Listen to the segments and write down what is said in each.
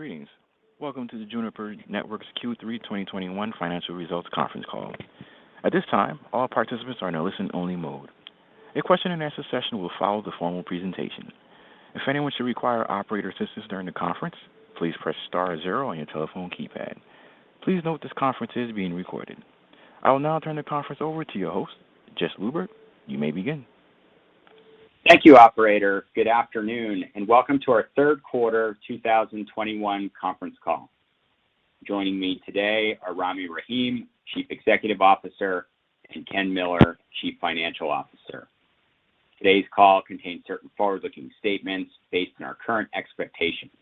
Greetings. Welcome to the Juniper Networks Q3 2021 Financial Results conference call. At this time, all participants are in a listen only mode. A question-and-answer session will follow the formal presentation. If anyone should require operator assistance during the conference, please press star zero on your telephone keypad. Please note this conference is being recorded. I will now turn the conference over to your host, Jess Lubert. You may begin. Thank you, operator. Good afternoon, and welcome to our third quarter 2021 conference call. Joining me today are Rami Rahim, Chief Executive Officer, and Ken Miller, Chief Financial Officer. Today's call contains certain forward-looking statements based on our current expectations.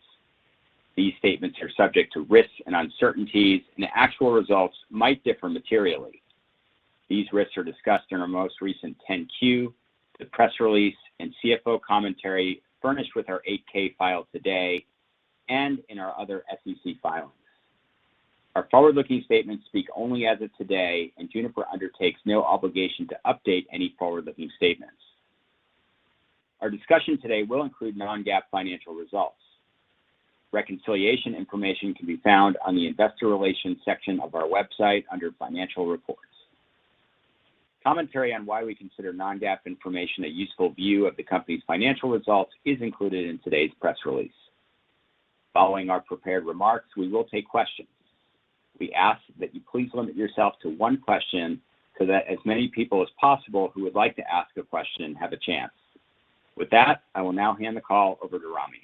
These statements are subject to risks and uncertainties, and the actual results might differ materially. These risks are discussed in our most recent 10-Q, the press release and CFO commentary furnished with our 8-K filed today and in our other SEC filings. Our forward-looking statements speak only as of today, and Juniper undertakes no obligation to update any forward-looking statements. Our discussion today will include non-GAAP financial results. Reconciliation information can be found on the investor relations section of our website under financial reports. Commentary on why we consider non-GAAP information a useful view of the company's financial results is included in today's press release. Following our prepared remarks, we will take questions. We ask that you please limit yourself to one question so that as many people as possible who would like to ask a question have a chance. With that, I will now hand the call over to Rami.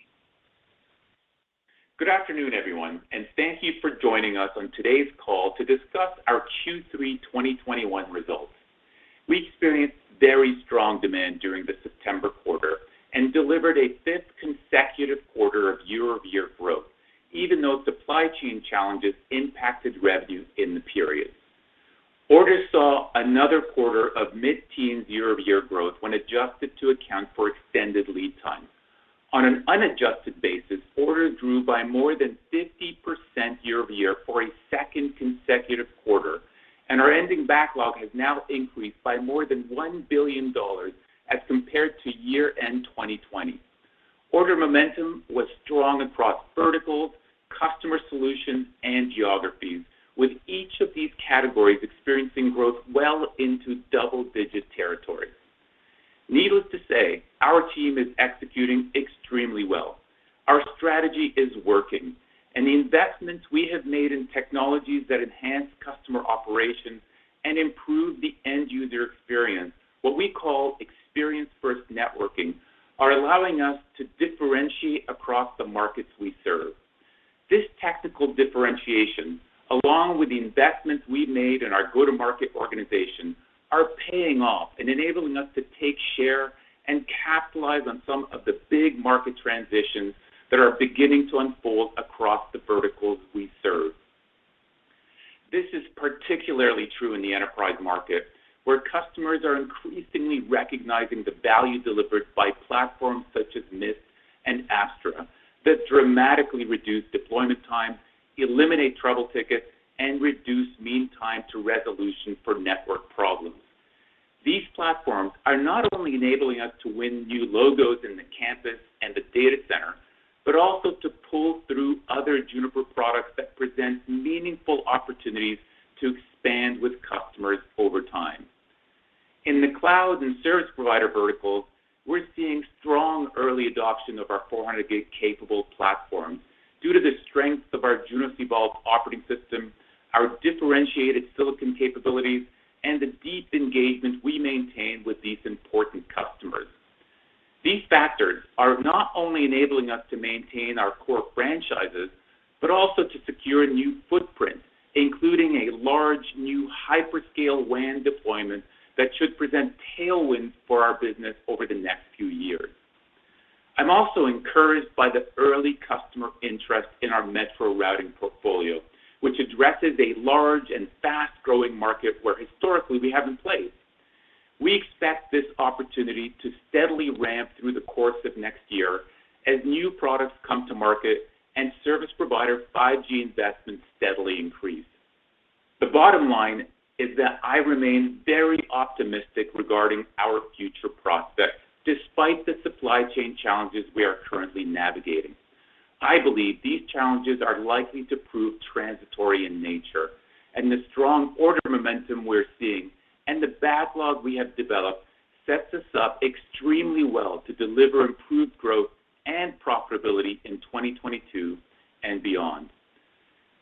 Good afternoon, everyone, and thank you for joining us on today's call to discuss our Q3 2021 results. We experienced very strong demand during the September quarter and delivered a fifth consecutive quarter of year-over-year growth, even though supply chain challenges impacted revenue in the period. Orders saw another quarter of mid-teen year-over-year growth when adjusted to account for extended lead times. On an unadjusted basis, orders grew by more than 50% year-over-year for a second consecutive quarter, and our ending backlog has now increased by more than $1 billion as compared to year-end 2020. Order momentum was strong across verticals, customer solutions and geographies, with each of these categories experiencing growth well into double-digit territory. Needless to say, our team is executing extremely well. Our strategy is working and the investments we have made in technologies that enhance customer operations and improve the end user experience, what we call Experience-First Networking, are allowing us to differentiate across the markets we serve. This tactical differentiation, along with the investments we made in our go-to-market organization, are paying off and enabling us to take share and capitalize on some of the big market transitions that are beginning to unfold across the verticals we serve. This is particularly true in the enterprise market, where customers are increasingly recognizing the value delivered by platforms such as Mist and Apstra that dramatically reduce deployment time, eliminate trouble tickets, and reduce mean time to resolution for network problems. These platforms are not only enabling us to win new logos in the campus and the data center, but also to pull through other Juniper products that present meaningful opportunities to expand with customers over time. In the cloud and service provider verticals, we're seeing strong early adoption of our 400G-capable platforms due to the strength of our Junos Evolved operating system, our differentiated silicon capabilities, and the deep engagement we maintain with these important customers. These factors are not only enabling us to maintain our core franchises, but also to secure new footprints, including a large new hyperscale WAN deployment that should present tailwinds for our business over the next few years. I'm also encouraged by the early customer interest in our metro routing portfolio, which addresses a large and fast-growing market where historically we haven't played. We expect this opportunity to steadily ramp through the course of next year as new products come to market and service provider 5G investments steadily increase. The bottom line is that I remain very optimistic regarding our future prospects despite the supply chain challenges we are currently navigating. I believe these challenges are likely to prove transitory in nature and the strong order momentum we're seeing and the backlog we have developed sets us up extremely well to deliver improved growth and profitability in 2022 and beyond.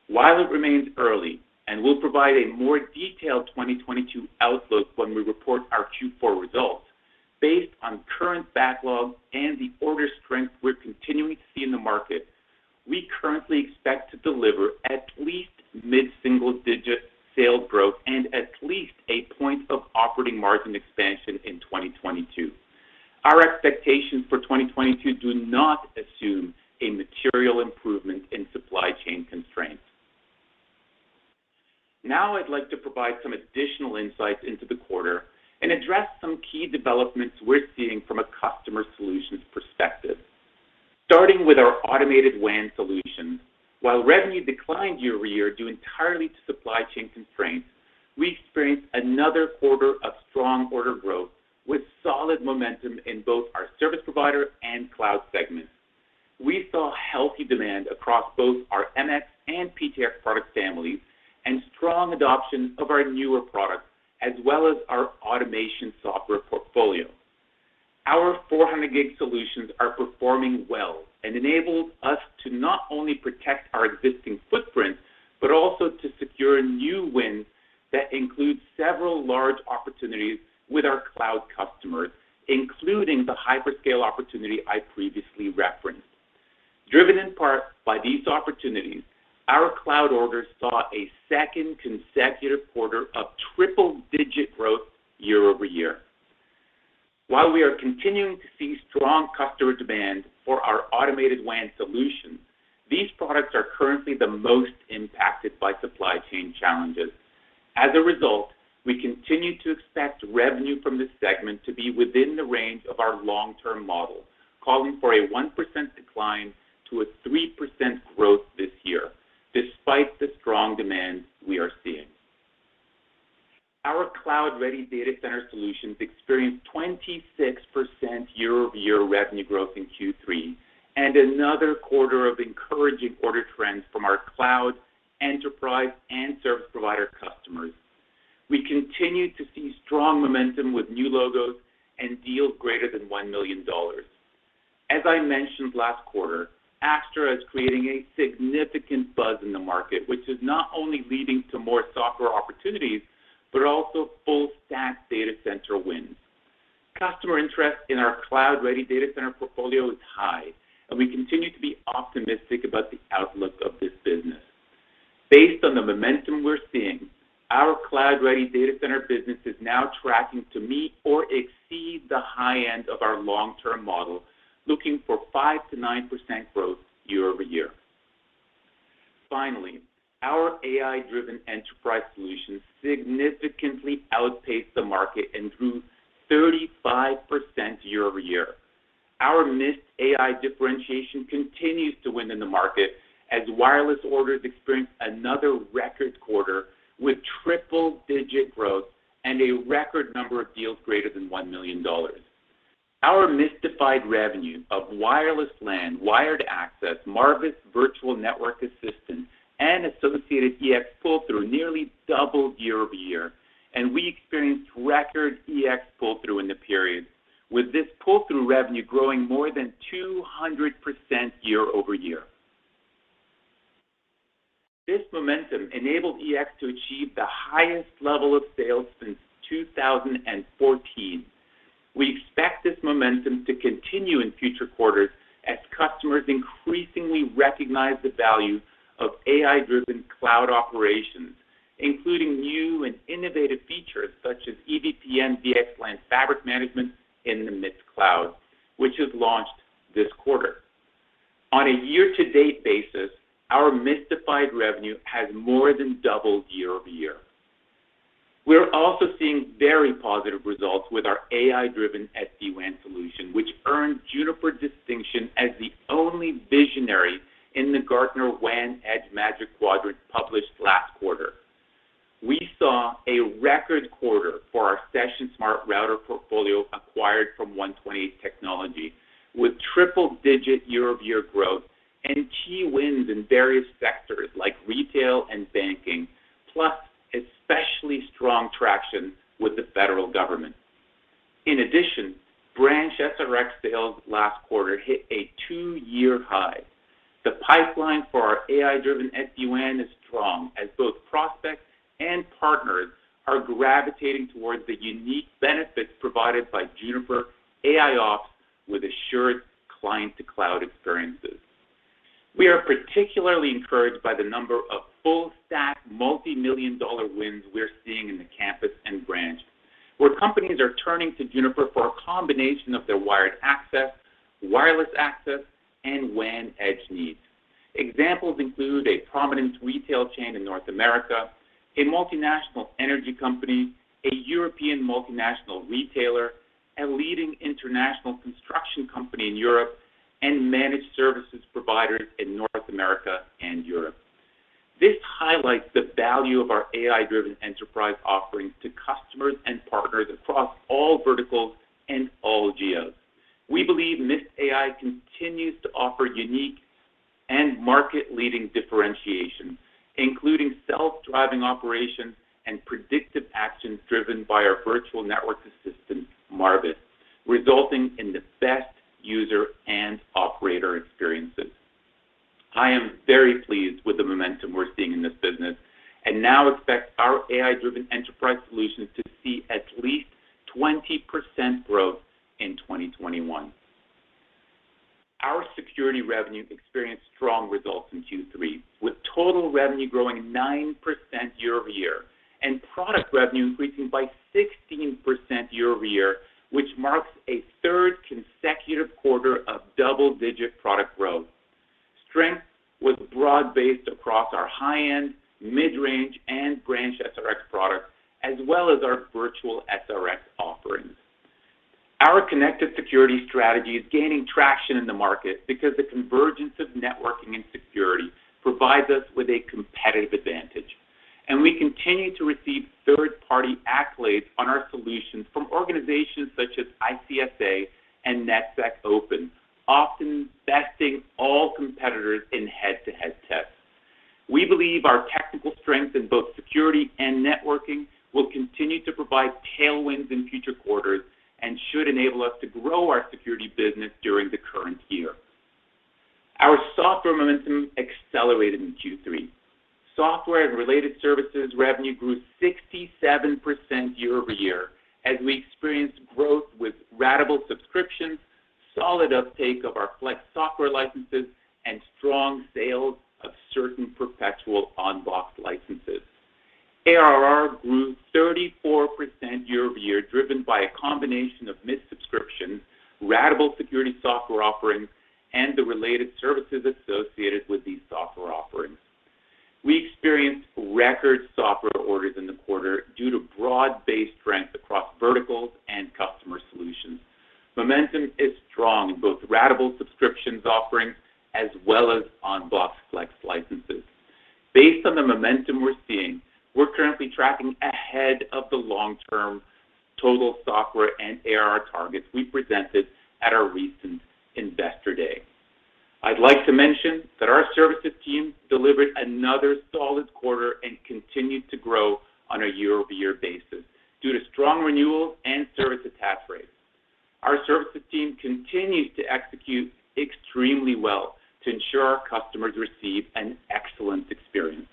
While it remains early, and we'll provide a more detailed 2022 outlook when we report our Q4 results, based on current backlog and the order strength we're continuing to see in the market, we currently expect to deliver at least mid-single digit sales growth and at least a point of operating margin expansion in 2022. Our expectations for 2022 do not assume a material improvement in supply chain constraints. Now I'd like to provide some additional insights into the quarter and address some key developments we're seeing from a customer solutions perspective. Starting with our automated WAN solutions, while revenue declined year-over-year due entirely to supply chain constraints. We experienced another quarter of strong order growth with solid momentum in both our service provider and cloud segments. We saw healthy demand across both our MX and PTX product families and strong adoption of our newer products as well as our automation software portfolio. Our 400G solutions are performing well and enabled us to not only protect our existing footprint, but also to secure new wins that include several large opportunities with our cloud customers, including the hyperscale opportunity I previously referenced. Driven in part by these opportunities, our cloud orders saw a second consecutive quarter of triple-digit growth year-over-year. While we are continuing to see strong customer demand for our automated WAN solutions, these products are currently the most impacted by supply chain challenges. As a result, we continue to expect revenue from this segment to be within the range of our long-term model, calling for a 1% decline to a 3% growth this year despite the strong demand we are seeing. Our cloud-ready data center solutions experienced 26% year-over-year revenue growth in Q3 and another quarter of encouraging order trends from our cloud, enterprise, and service provider customers. We continue to see strong momentum with new logos and deals greater than $1 million. As I mentioned last quarter, Apstra is creating a significant buzz in the market, which is not only leading to more software opportunities, but also full stack data center wins. Customer interest in our cloud-ready data center portfolio is high, and we continue to be optimistic about the outlook of this business. Based on the momentum we're seeing, our cloud-ready data center business is now tracking to meet or exceed the high end of our long-term model, looking for 5%-9% growth year-over-year. Finally, our AI-driven enterprise solutions significantly outpaced the market and grew 35% year-over-year. Our Mist AI differentiation continues to win in the market as wireless orders experienced another record quarter with triple-digit growth and a record number of deals greater than $1 million. Our Mistified revenue of wireless LAN, wired access, Marvis Virtual Network Assistant, and associated EX pull-through nearly doubled year-over-year, and we experienced record EX pull-through in the period, with this pull-through revenue growing more than 200% year-over-year. This momentum enabled EX to achieve the highest level of sales since 2014. We expect this momentum to continue in future quarters as customers increasingly recognize the value of AI-driven cloud operations, including new and innovative features such as EVPN-VXLAN fabric management in the Mist cloud, which was launched this quarter. On a year-to-date basis, our Mistified revenue has more than doubled year-over-year. We're also seeing very positive results with our AI-driven SD-WAN solution, which earned Juniper distinction as the only visionary in the Gartner WAN Edge Magic Quadrant published last quarter. We saw a record quarter for our Session Smart Router portfolio acquired from 128 Technology with triple-digit year-over-year growth and key wins in various sectors like retail and banking, plus especially strong traction with the federal government. In addition, branch SRX sales last quarter hit a two-year high. The pipeline for our AI-driven SD-WAN is strong as both prospects and partners are gravitating towards the unique benefits provided by Juniper AIOps with assured client-to-cloud experiences. We are particularly encouraged by the number of full stack multi-million-dollar wins we're seeing in the campus and branch, where companies are turning to Juniper for a combination of their wired access, wireless access, and WAN edge needs. Examples include a prominent retail chain in North America, a multinational energy company, a European multinational retailer, a leading international construction company in Europe, and managed services providers in North America and Europe. This highlights the value of our AI-driven enterprise offerings to customers and partners across all verticals and all geos. We believe Mist AI continues to offer unique and market-leading differentiation, including self-driving operations and predictive actions driven by our virtual network assistant, Marvis, resulting in the best user and operator experiences. I am very pleased with the momentum we're seeing in this business and now expect our AI-driven enterprise solutions to see at least 20% growth in 2021. Our security revenue experienced strong results in Q3, with total revenue growing 9% year over year and product revenue increasing by 16% year over year, which marks a third consecutive quarter of double-digit product growth. Strength was broad-based across our high-end, mid-range, and branch SRX products, as well as our virtual SRX offerings. Our connected security strategy is gaining traction in the market because the convergence of networking and security provides us with a competitive advantage. We continue to receive third-party accolades on our solutions from organizations such as ICSA and NetSecOPEN, often besting all competitors in head-to-head tests. We believe our technical strength in both security and networking will continue to provide tailwinds in future quarters and should enable us to grow our security business during the current year. Our software momentum accelerated in Q3. Software and related services revenue grew 67% year-over-year as we experienced growth with ratable subscriptions, solid uptake of our flex software licenses, and strong sales of certain perpetual on-box licenses. ARR grew 34% year-over-year, driven by a combination of Mist subscriptions, ratable security software offerings, and the related services associated with these software offerings. We experienced record software orders in the quarter due to broad-based strength across verticals and customer solutions. Momentum is strong in both ratable subscriptions offerings as well as on-box Flex licenses. Based on the momentum we're seeing, we're currently tracking ahead of the long-term total software and ARR targets we presented at our recent Investor Day. I'd like to mention that our services team delivered another solid quarter and continued to grow on a year-over-year basis due to strong renewals and services attach rates. Our services team continues to execute extremely well to ensure our customers receive an excellent experience.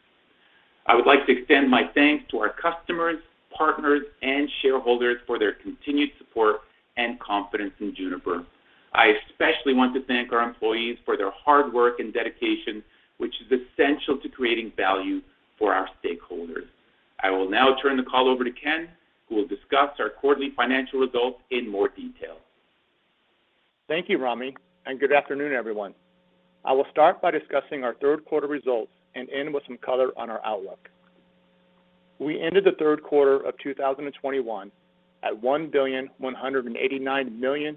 I would like to extend my thanks to our customers, partners, and shareholders for their continued support and confidence in Juniper. I especially want to thank our employees for their hard work and dedication, which is essential to creating value for our stakeholders. I will now turn the call over to Ken, who will discuss our quarterly financial results in more detail. Thank you, Rami, and good afternoon, everyone. I will start by discussing our third quarter results and end with some color on our outlook. We ended the third quarter of 2021 at $1.189 billion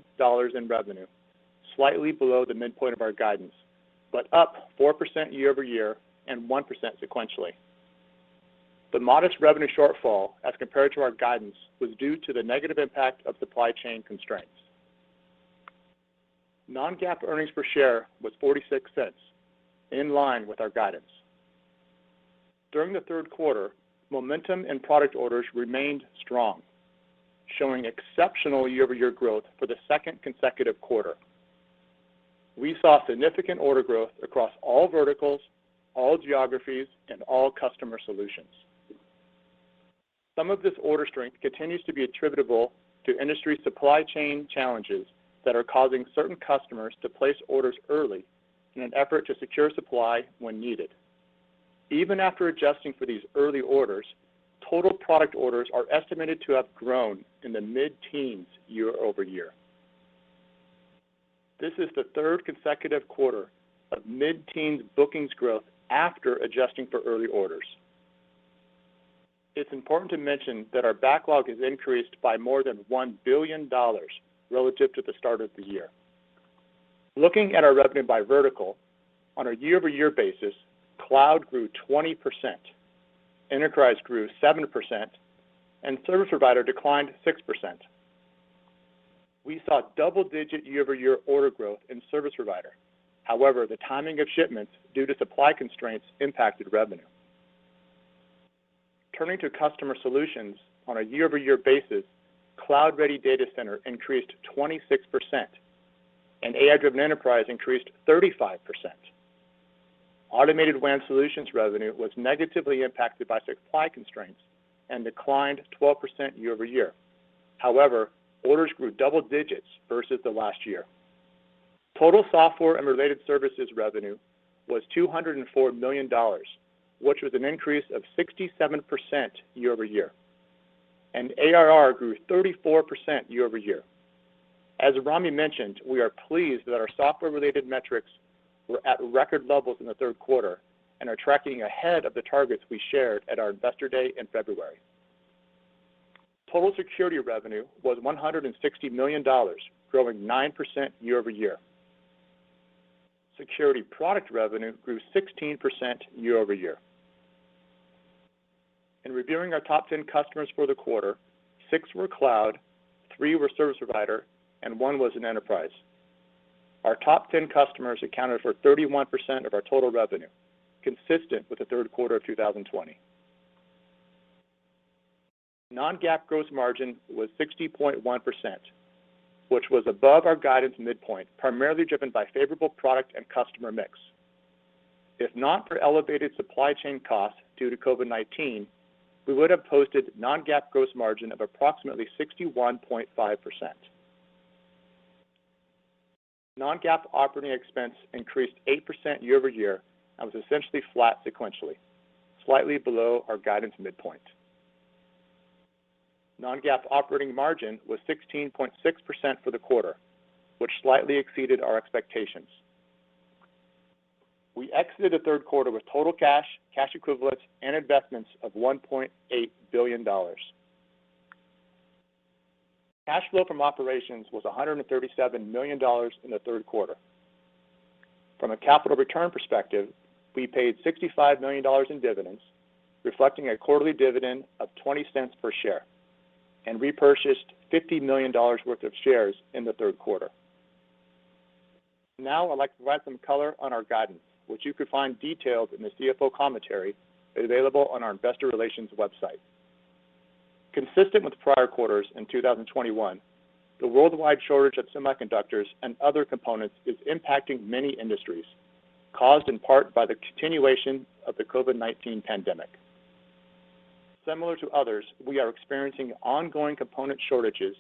in revenue, slightly below the midpoint of our guidance, but up 4% year-over-year and 1% sequentially. The modest revenue shortfall as compared to our guidance was due to the negative impact of supply chain constraints. non-GAAP earnings per share was $0.46, in line with our guidance. During the third quarter, momentum in product orders remained strong, showing exceptional year-over-year growth for the second consecutive quarter. We saw significant order growth across all verticals, all geographies, and all customer solutions. Some of this order strength continues to be attributable to industry supply chain challenges that are causing certain customers to place orders early in an effort to secure supply when needed. Even after adjusting for these early orders, total product orders are estimated to have grown in the mid-teens year-over-year. This is the third consecutive quarter of mid-teens bookings growth after adjusting for early orders. It's important to mention that our backlog has increased by more than $1 billion relative to the start of the year. Looking at our revenue by vertical on a year-over-year basis, cloud grew 20%, enterprise grew 7%, and service provider declined 6%. We saw double-digit year-over-year order growth in service provider. However, the timing of shipments due to supply constraints impacted revenue. Turning to customer solutions on a year-over-year basis, cloud-ready data center increased 26%, and AI-driven enterprise increased 35%. Automated WAN solutions revenue was negatively impacted by supply constraints and declined 12% year-over-year. However, orders grew double digits versus the last year. Total software and related services revenue was $204 million, which was an increase of 67% year-over-year, and ARR grew 34% year-over-year. As Rami mentioned, we are pleased that our software-related metrics were at record levels in the third quarter and are tracking ahead of the targets we shared at our Investor Day in February. Total security revenue was $160 million, growing 9% year-over-year. Security product revenue grew 16% year-over-year. In reviewing our top 10 customers for the quarter, six were cloud, three were service provider, and one was an enterprise. Our top 10 customers accounted for 31% of our total revenue, consistent with the third quarter of 2020. Non-GAAP gross margin was 60.1%, which was above our guidance midpoint, primarily driven by favorable product and customer mix. If not for elevated supply chain costs due to COVID-19, we would have posted non-GAAP gross margin of approximately 61.5%. Non-GAAP operating expense increased 8% year-over-year and was essentially flat sequentially, slightly below our guidance midpoint. Non-GAAP operating margin was 16.6% for the quarter, which slightly exceeded our expectations. We exited the third quarter with total cash equivalents, and investments of $1.8 billion. Cash flow from operations was $137 million in the third quarter. From a capital return perspective, we paid $65 million in dividends, reflecting a quarterly dividend of $0.20 per share, and repurchased $50 million worth of shares in the third quarter. Now I'd like to provide some color on our guidance, which you can find detailed in the CFO commentary available on our investor relations website. Consistent with prior quarters in 2021, the worldwide shortage of semiconductors and other components is impacting many industries, caused in part by the continuation of the COVID-19 pandemic. Similar to others, we are experiencing ongoing component shortages,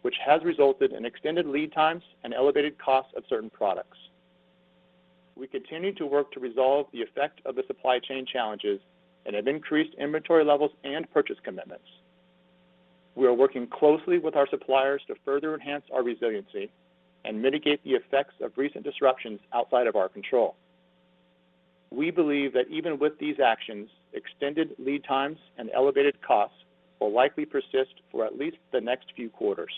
which has resulted in extended lead times and elevated costs of certain products. We continue to work to resolve the effect of the supply chain challenges and have increased inventory levels and purchase commitments. We are working closely with our suppliers to further enhance our resiliency and mitigate the effects of recent disruptions outside of our control. We believe that even with these actions, extended lead times and elevated costs will likely persist for at least the next few quarters.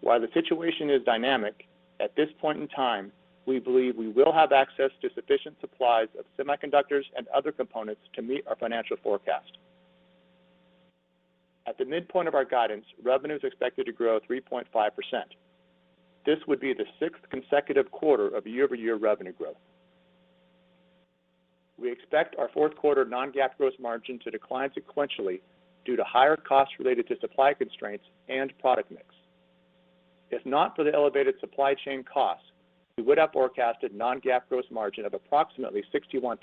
While the situation is dynamic, at this point in time, we believe we will have access to sufficient supplies of semiconductors and other components to meet our financial forecast. At the midpoint of our guidance, revenue is expected to grow 3.5%. This would be the sixth consecutive quarter of year-over-year revenue growth. We expect our fourth quarter non-GAAP gross margin to decline sequentially due to higher costs related to supply constraints and product mix. If not for the elevated supply chain costs, we would have forecasted non-GAAP gross margin of approximately 61%.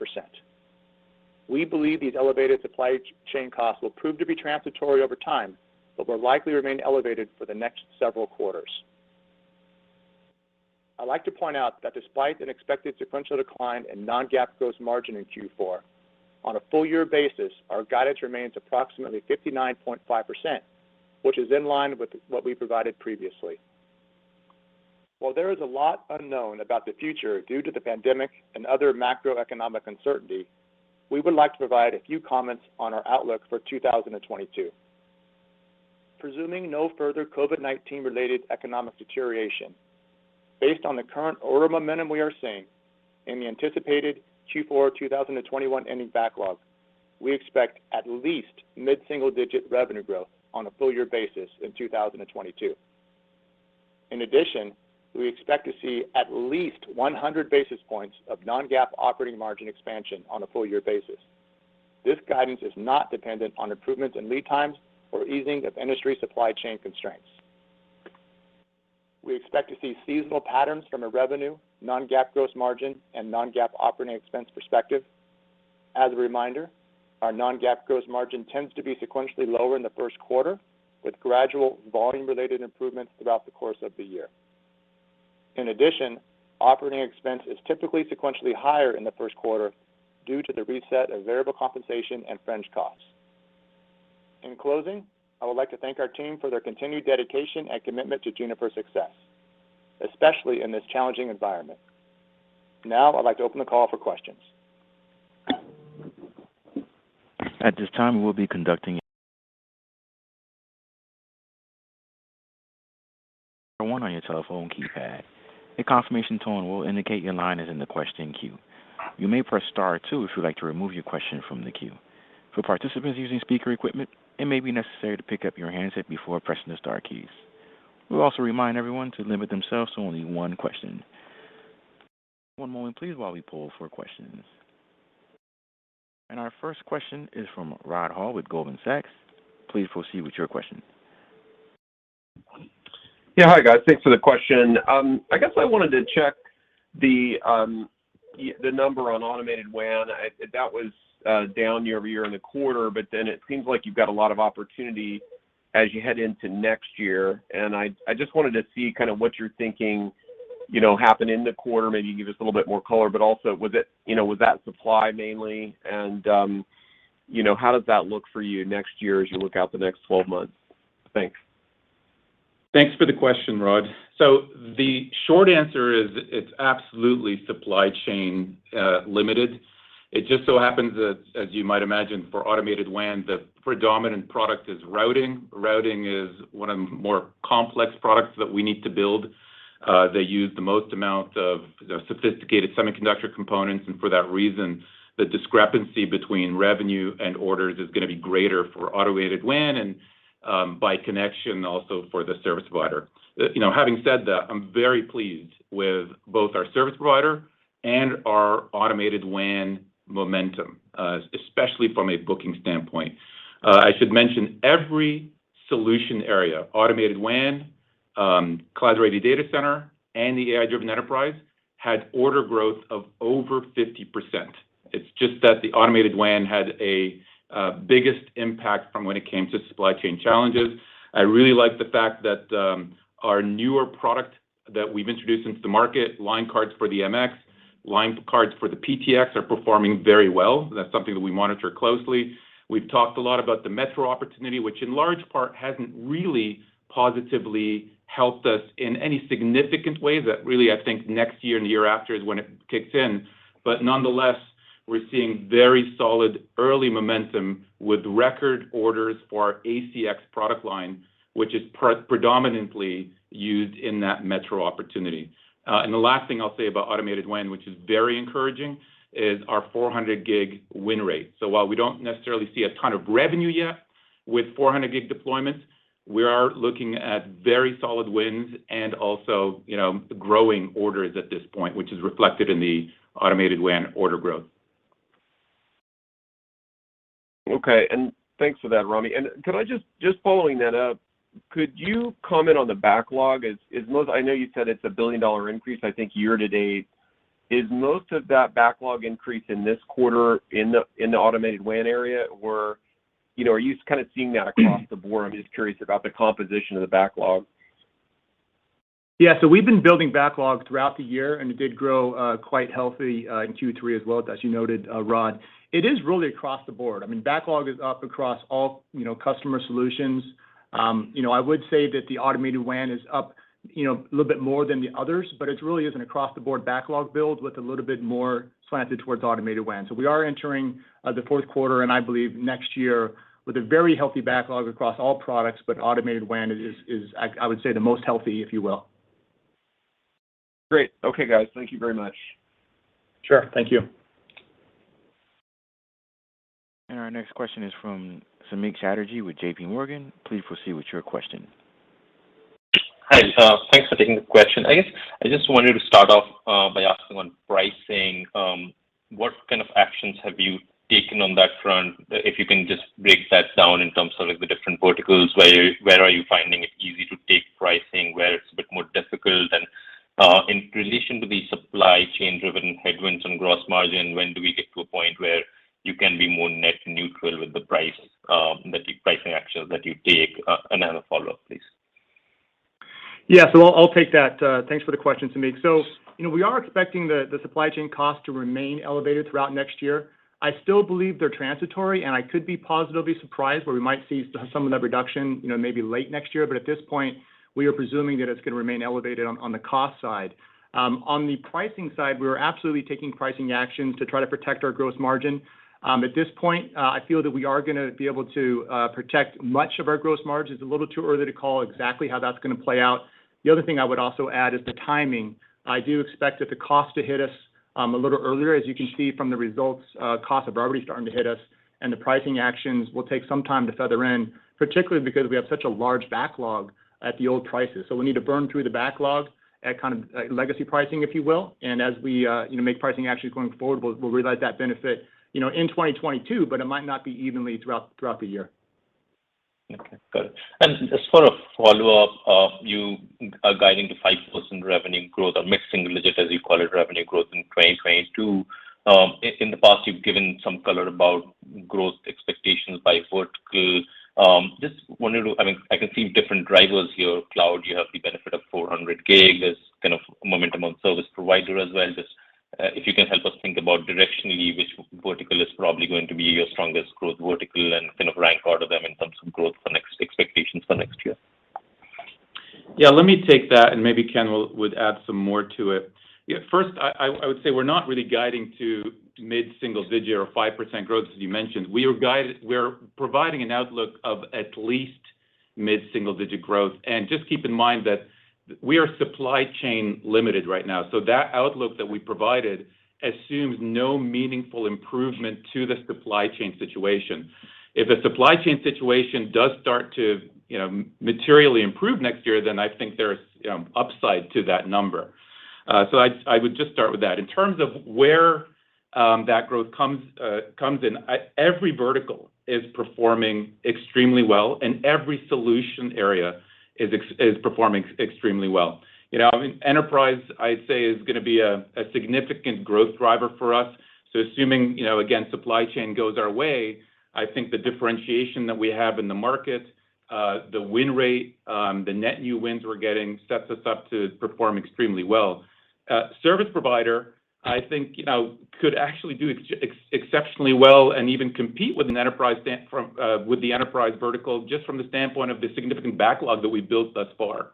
We believe these elevated supply chain costs will prove to be transitory over time, but will likely remain elevated for the next several quarters. I'd like to point out that despite an expected sequential decline in non-GAAP gross margin in Q4, on a full year basis, our guidance remains approximately 59.5%, which is in line with what we provided previously. While there is a lot unknown about the future due to the pandemic and other macroeconomic uncertainty, we would like to provide a few comments on our outlook for 2022. Presuming no further COVID-19 related economic deterioration, based on the current order momentum we are seeing and the anticipated Q4 2021 ending backlog, we expect at least mid-single-digit revenue growth on a full year basis in 2022. In addition, we expect to see at least 100 basis points of non-GAAP operating margin expansion on a full year basis. This guidance is not dependent on improvements in lead times or easing of industry supply chain constraints. We expect to see seasonal patterns from a revenue, non-GAAP gross margin, and non-GAAP operating expense perspective. As a reminder, our non-GAAP gross margin tends to be sequentially lower in the first quarter, with gradual volume-related improvements throughout the course of the year. In addition, operating expense is typically sequentially higher in the first quarter due to the reset of variable compensation and fringe costs. In closing, I would like to thank our team for their continued dedication and commitment to Juniper's success, especially in this challenging environment. Now I'd like to open the call for questions. At this time, we'll be conducting Q&A on your telephone keypad. A confirmation tone will indicate your line is in the question queue. You may press star two if you'd like to remove your question from the queue. For participants using speaker equipment, it may be necessary to pick up your handset before pressing the star keys. We'll also remind everyone to limit themselves to only one question. One moment please while we poll for questions. Our first question is from Rod Hall with Goldman Sachs. Please proceed with your question. Yeah, hi guys. Thanks for the question. I guess I wanted to check the number on automated WAN. That was down year-over-year in the quarter, but then it seems like you've got a lot of opportunity as you head into next year. I just wanted to see kind of what you're thinking, you know, happened in the quarter. Maybe you can give us a little bit more color, but also was it, you know, was that supply mainly? You know, how does that look for you next year as you look out the next 12 months? Thanks. Thanks for the question, Rod. The short answer is it's absolutely supply chain limited. It just so happens that as you might imagine, for automated WAN, the predominant product is routing. Routing is one of the more complex products that we need to build. They use the most amount of the sophisticated semiconductor components. For that reason, the discrepancy between revenue and orders is going to be greater for automated WAN and by connection also for the service provider. You know, having said that, I'm very pleased with both our service provider and our automated WAN momentum, especially from a booking standpoint. I should mention every solution area, Automated WAN, cloud-ready data center, and the AI-Driven Enterprise, had order growth of over 50%. It's just that the automated WAN had a biggest impact from when it came to supply chain challenges. I really like the fact that our newer product that we've introduced into the market, line cards for the MX, line cards for the PTX, are performing very well. That's something that we monitor closely. We've talked a lot about the metro opportunity, which in large part hasn't really positively helped us in any significant way. That really, I think next year and the year after is when it kicks in. Nonetheless we're seeing very solid early momentum with record orders for our ACX product line, which is predominantly used in that metro opportunity. The last thing I'll say about automated WAN which is very encouraging is our 400G win rate. While we don't necessarily see a ton of revenue yet with 400G deployments, we are looking at very solid wins and also, you know, growing orders at this point, which is reflected in the automated WAN order growth. Okay, thanks for that, Rami. Just following that up, could you comment on the backlog? I know you said it's a billion-dollar increase, I think, year to date. Is most of that backlog increase in this quarter in the automated WAN area, or, you know, are you kind of seeing that across the board? I'm just curious about the composition of the backlog. Yeah. We've been building backlog throughout the year, and it did grow quite healthy in Q3 as well, as you noted, Rod. It is really across the board. I mean, backlog is up across all, you know, customer solutions. You know, I would say that the automated WAN is up, you know, a little bit more than the others, but it really is an across the board backlog build with a little bit more slanted towards automated WAN. We are entering the fourth quarter, and I believe next year with a very healthy backlog across all products, but automated WAN is, I would say, the most healthy, if you will. Great. Okay, guys. Thank you very much. Sure. Thank you. Our next question is from Samik Chatterjee with JPMorgan, please proceed with your question. Hi. Thanks for taking the question. I guess I just wanted to start off by asking on pricing. What kind of actions have you taken on that front? If you can just break that down in terms of, like, the different verticals. Where are you finding it easy to take pricing, where it's a bit more difficult? In relation to the supply chain-driven headwinds and gross margin, when do we get to a point where you can be more net neutral with the pricing actions that you take? I have a follow-up, please. I'll take that. Thanks for the question, Samik. You know, we are expecting the supply chain cost to remain elevated throughout next year. I still believe they're transitory, and I could be positively surprised, where we might see some of that reduction, you know, maybe late next year. At this point, we are presuming that it's going to remain elevated on the cost side. On the pricing side, we are absolutely taking pricing action to try to protect our gross margin. At this point, I feel that we are gonna be able to protect much of our gross margins. A little too early to call exactly how that's gonna play out. The other thing I would also add is the timing. I do expect that the cost to hit us a little earlier. As you can see from the results, costs are already starting to hit us, and the pricing actions will take some time to feather in, particularly because we have such a large backlog at the old prices. We need to burn through the backlog at kind of legacy pricing, if you will. As we, you know, make pricing actions going forward, we'll realize that benefit, you know, in 2022, but it might not be evenly throughout the year. Okay, got it. As far as a follow-up, you are guiding to 5% revenue growth or mid-single digit, as you call it, revenue growth in 2022. In the past you've given some color about growth expectations by vertical. I mean, I can see different drivers here. Cloud, you have the benefit of 400G. There's kind of momentum on service provider as well. Just, if you can help us think about directionally, which vertical is probably going to be your strongest growth vertical and kind of rank order them in terms of growth expectations for next year. Yeah, let me take that, and maybe Ken would add some more to it. Yeah, first I would say we're not really guiding to mid-single digit or 5% growth, as you mentioned. We're providing an outlook of at least mid-single digit growth. Just keep in mind that we are supply chain limited right now, so that outlook that we provided assumes no meaningful improvement to the supply chain situation. If the supply chain situation does start to, you know, materially improve next year, then I think there's, you know, upside to that number. I would just start with that. In terms of where that growth comes in, every vertical is performing extremely well and every solution area is performing extremely well. You know, I mean, Enterprise I'd say is gonna be a significant growth driver for us. Assuming, you know, again, supply chain goes our way, I think the differentiation that we have in the market, the win rate, the net new wins we're getting sets us up to perform extremely well. Service Provider, I think, you know, could actually do exceptionally well and even compete with the Enterprise vertical just from the standpoint of the significant backlog that we've built thus far.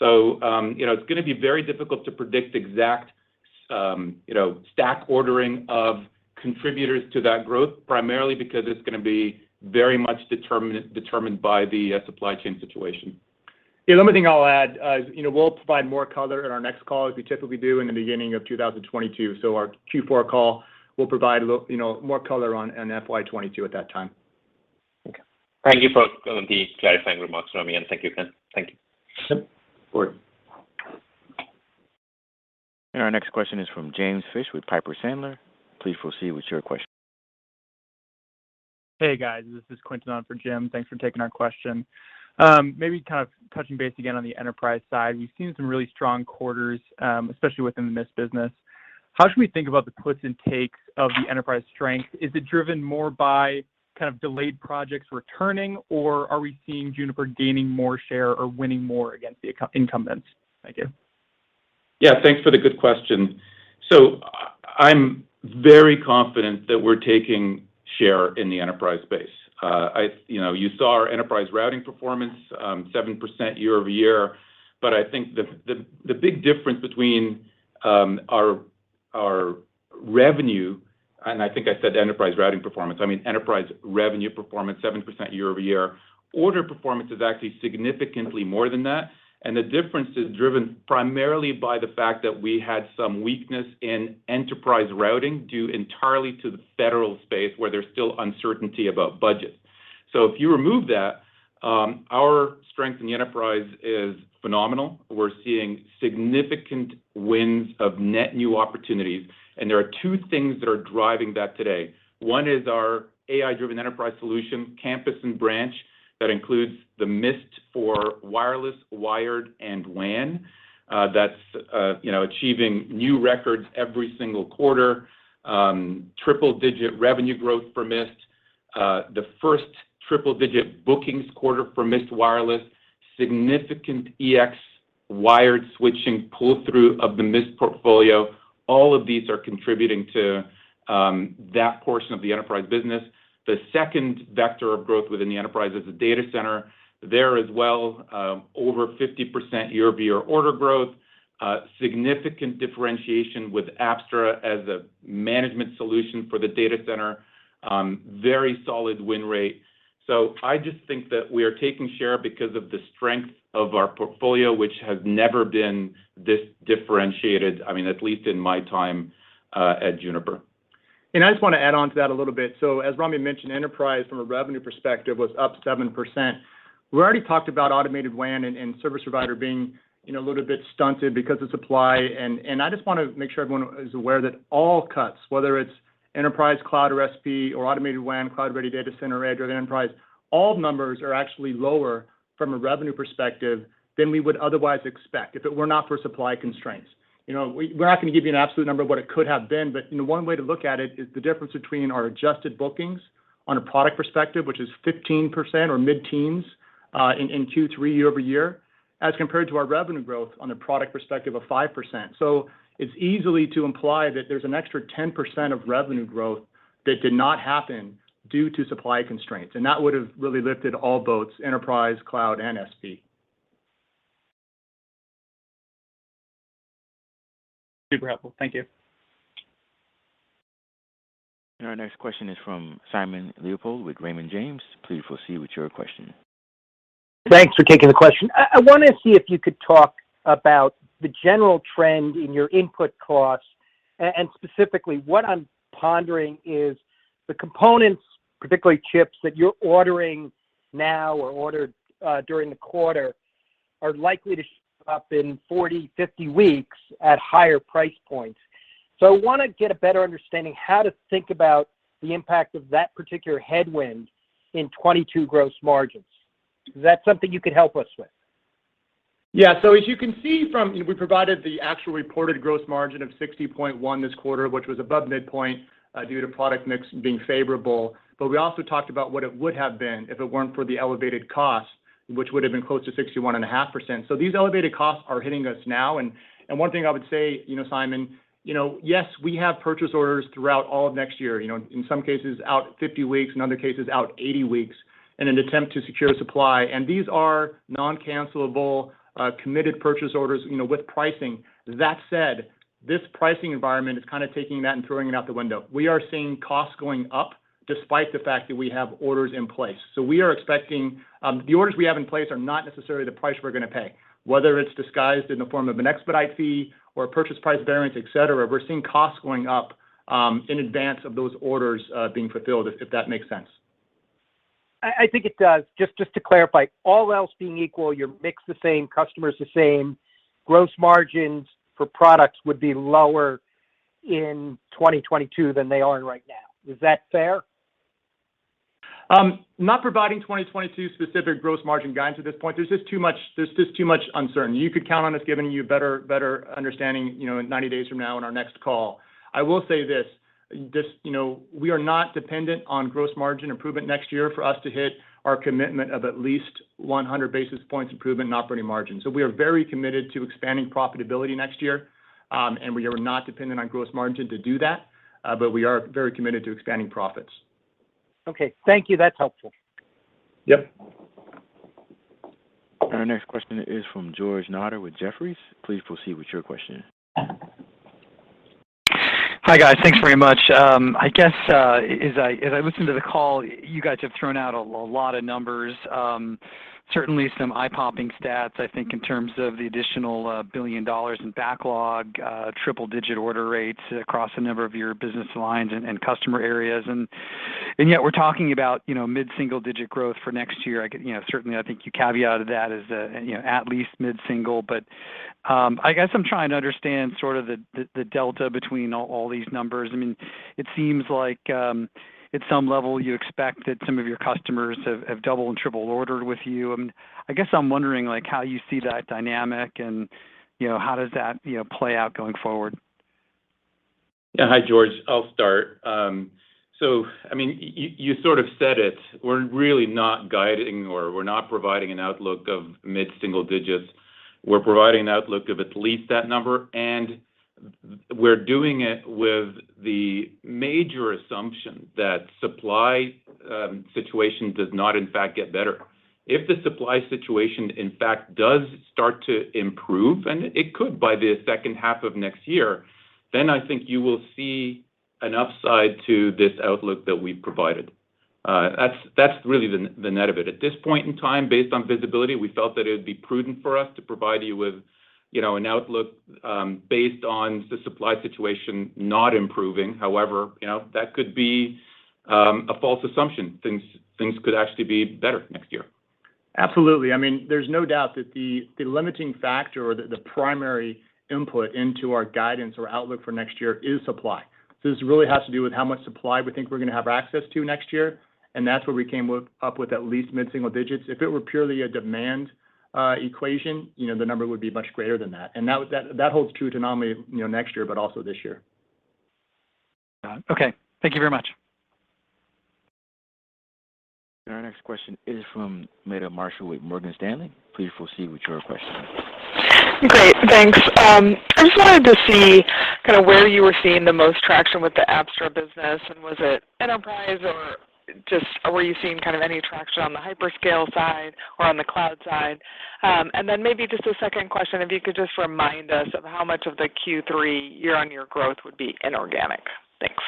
It's gonna be very difficult to predict exact stack ordering of contributors to that growth, primarily because it's gonna be very much determined by the supply chain situation. The only thing I'll add is, you know, we'll provide more color in our next call as we typically do in the beginning of 2022. Our Q4 call will provide a little, you know, more color on FY 2022 at that time. Okay. Thank you for the clarifying remarks, Rami, and thank you, Ken. Thank you. Sure. Our next question is from James Fish with Piper Sandler. Please proceed with your question. Hey, guys. This is Quinton on for James. Thanks for taking our question. Maybe kind of touching base again on the enterprise side. We've seen some really strong quarters, especially within the Mist business. How should we think about the puts and takes of the enterprise strength? Is it driven more by kind of delayed projects returning, or are we seeing Juniper gaining more share or winning more against the incumbents? Thank you. Yeah. Thanks for the good question. I'm very confident that we're taking share in the enterprise space. You know, you saw our enterprise routing performance, 7% year-over-year. I think the big difference between our revenue and I think I said enterprise routing performance, I mean, enterprise revenue performance 7% year-over-year. Order performance is actually significantly more than that, and the difference is driven primarily by the fact that we had some weakness in enterprise routing due entirely to the federal space where there's still uncertainty about budget. If you remove that, our strength in the enterprise is phenomenal. We're seeing significant wins of net new opportunities, and there are two things that are driving that today. One is our AI-driven enterprise solution, campus and branch, that includes the Mist for wireless, wired, and WAN. That's, you know, achieving new records every single quarter. Triple-digit revenue growth for Mist. The first triple-digit bookings quarter for Mist Wireless, significant EX wired switching pull-through of the Mist portfolio. All of these are contributing to that portion of the enterprise business. The second vector of growth within the enterprise is the data center. There as well, over 50% year-over-year order growth, significant differentiation with Apstra as a management solution for the data center. Very solid win rate. I just think that we are taking share because of the strength of our portfolio, which has never been this differentiated, I mean, at least in my time at Juniper. I just want to add on to that a little bit. As Rami mentioned, enterprise from a revenue perspective was up 7%. We already talked about automated WAN and service provider being, you know, a little bit stunted because of supply. I just want to make sure everyone is aware that all cuts, whether it's enterprise cloud or SP or automated WAN, cloud-ready data center, edge, or the enterprise, all numbers are actually lower from a revenue perspective than we would otherwise expect if it were not for supply constraints. You know, we're not going to give you an absolute number of what it could have been, but you know, one way to look at it is the difference between our adjusted bookings on a product perspective, which is 15% or mid-teens, in Q3 year-over-year, as compared to our revenue growth on a product perspective of 5%. It's easy to imply that there's an extra 10% of revenue growth that did not happen due to supply constraints, and that would've really lifted all boats, enterprise, cloud, and SP. Super helpful. Thank you. Our next question is from Simon Leopold with Raymond James. Please proceed with your question. Thanks for taking the question. I want to see if you could talk about the general trend in your input costs. And specifically, what I'm pondering is the components, particularly chips, that you're ordering now or ordered during the quarter, are likely to show up in 40, 50 weeks at higher price points. I want to get a better understanding how to think about the impact of that particular headwind in 2022 gross margins. Is that something you could help us with? Yeah. As you can see, we provided the actual reported gross margin of 60.1% this quarter, which was above midpoint due to product mix being favorable. We also talked about what it would have been if it weren't for the elevated costs, which would've been close to 61.5%. These elevated costs are hitting us now. One thing I would say, you know, Simon, you know, yes, we have purchase orders throughout all of next year. You know, in some cases out 50 weeks, in other cases out 80 weeks in an attempt to secure supply. These are non-cancellable committed purchase orders, you know, with pricing. That said, this pricing environment is kind of taking that and throwing it out the window. We are seeing costs going up despite the fact that we have orders in place. We are expecting the orders we have in place are not necessarily the price we're going to pay. Whether it's disguised in the form of an expedite fee or a purchase price variance, et cetera. We're seeing costs going up in advance of those orders being fulfilled, if that makes sense. I think it does. Just to clarify, all else being equal, your mix the same, customer is the same, gross margins for products would be lower in 2022 than they are right now. Is that fair? Not providing 2022 specific gross margin guidance at this point. There's just too much uncertainty. You could count on us giving you better understanding, you know, in 90 days from now in our next call. I will say this, just, you know, we are not dependent on gross margin improvement next year for us to hit our commitment of at least 100 basis points improvement in operating margin. We are very committed to expanding profitability next year, and we are not dependent on gross margin to do that. We are very committed to expanding profits. Okay. Thank you. That's helpful. Yep. Our next question is from George Notter with Jefferies. Please proceed with your question. Hi, guys. Thanks very much. I guess, as I listen to the call, you guys have thrown out a lot of numbers. Certainly some eye-popping stats, I think in terms of the additional $1 billion in backlog, triple-digit order rates across a number of your business lines and customer areas. Yet we're talking about, you know, mid-single-digit growth for next year. I can, you know, certainly I think you caveated that as, you know, at least mid-single. I guess I'm trying to understand sort of the delta between all these numbers. I mean, it seems like, at some level you expect that some of your customers have double and triple ordered with you. I guess I'm wondering like how you see that dynamic and, you know, how does that, you know, play out going forward? Yeah. Hi, George. I'll start. So I mean, you sort of said it, we're really not guiding or we're not providing an outlook of mid-single digits. We're providing an outlook of at least that number. We're doing it with the major assumption that supply situation does not in fact get better. If the supply situation in fact does start to improve, and it could by the second half of next year, then I think you will see an upside to this outlook that we've provided. That's really the net of it. At this point in time, based on visibility, we felt that it would be prudent for us to provide you with, you know, an outlook, based on the supply situation not improving. However, you know, that could be a false assumption. Things could actually be better next year. Absolutely. I mean, there's no doubt that the limiting factor or the primary input into our guidance or outlook for next year is supply. This really has to do with how much supply we think we're gonna have access to next year, and that's where we came up with at least mid-single digits. If it were purely a demand equation, you know, the number would be much greater than that. That holds true to not only, you know, next year, but also this year. Got it. Okay. Thank you very much. Our next question is from Meta Marshall with Morgan Stanley. Please proceed with your question. Great. Thanks. I just wanted to see kinda where you were seeing the most traction with the Apstra business, and was it enterprise or were you seeing kind of any traction on the hyperscale side or on the cloud side? And then maybe just a second question, if you could just remind us of how much of the Q3 year-on-year growth would be inorganic. Thanks.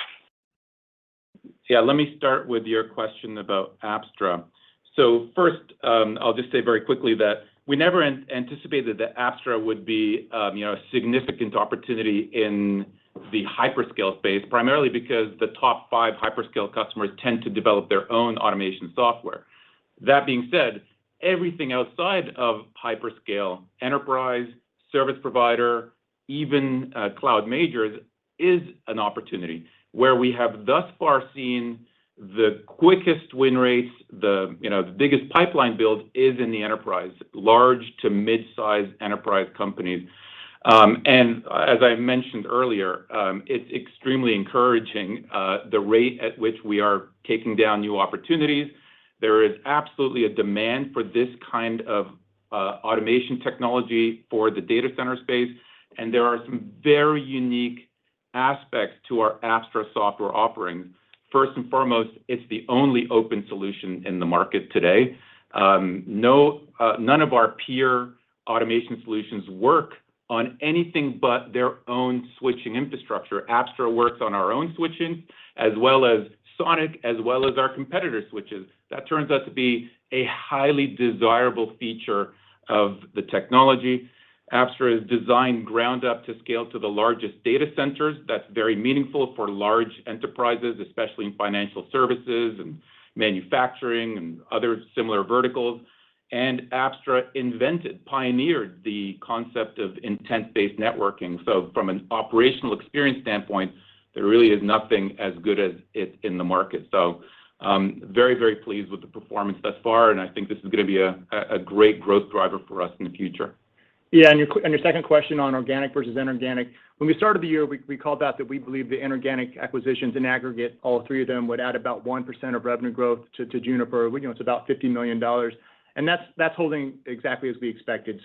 Yeah. Let me start with your question about Apstra. First, I'll just say very quickly that we never anticipated that Apstra would be, you know, a significant opportunity in the hyperscale space, primarily because the top five hyperscale customers tend to develop their own automation software. That being said, everything outside of hyperscale, enterprise, service provider, even cloud majors, is an opportunity. Where we have thus far seen the quickest win rates, you know, the biggest pipeline build is in the enterprise, large to mid-size enterprise companies. As I mentioned earlier, it's extremely encouraging, the rate at which we are taking down new opportunities. There is absolutely a demand for this kind of automation technology for the data center space, and there are some very unique aspects to our Apstra software offering. First and foremost, it's the only open solution in the market today. None of our peer automation solutions work on anything but their own switching infrastructure. Apstra works on our own switching, as well as SONiC, as well as our competitors' switches. That turns out to be a highly desirable feature of the technology. Apstra is designed from the ground up to scale to the largest data centers. That's very meaningful for large enterprises, especially in financial services and manufacturing and other similar verticals. Apstra invented, pioneered the concept of intent-based networking. From an operational experience standpoint, there really is nothing as good as it in the market. Very, very pleased with the performance thus far, and I think this is gonna be a great growth driver for us in the future. Yeah. Your second question on organic versus inorganic, when we started the year, we called out that we believe the inorganic acquisitions in aggregate, all three of them, would add about 1% of revenue growth to Juniper. You know, it's about $50 million. That's holding exactly as we expected.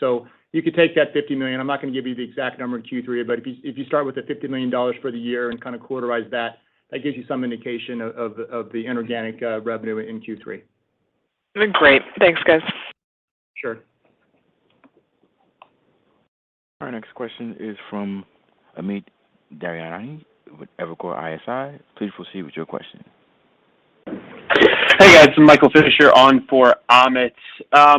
You could take that $50 million. I'm not gonna give you the exact number in Q3, but if you start with the $50 million for the year and kinda quarterize that gives you some indication of the inorganic revenue in Q3. Great. Thanks, guys. Sure. Our next question is from Amit Daryanani with Evercore ISI. Please proceed with your question. Hey, guys. It's Michael Fisher on for Amit. I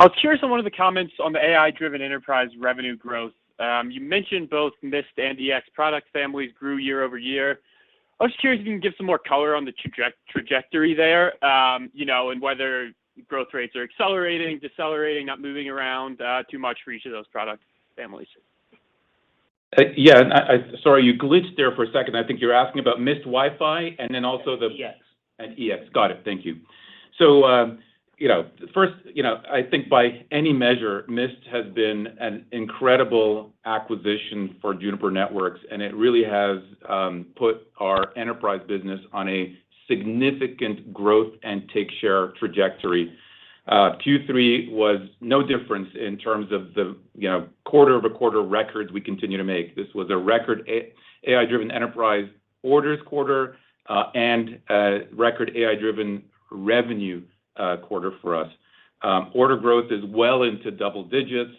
was curious on one of the comments on the AI-driven enterprise revenue growth. You mentioned both Mist and EX product families grew year-over-year. I was curious if you can give some more color on the trajectory there, you know, and whether growth rates are accelerating, decelerating, not moving around too much for each of those product families. Yeah. Sorry, you glitched there for a second. I think you're asking about Mist WiFi and then also the EX. EX. Got it. Thank you. You know, first, you know, I think by any measure, Mist has been an incredible acquisition for Juniper Networks, and it really has put our enterprise business on a significant growth and take share trajectory. Q3 was no different in terms of the, you know, quarter-over-quarter records we continue to make. This was a record AI-driven enterprise orders quarter, and a record AI-driven revenue quarter for us. Order growth is well into double digits.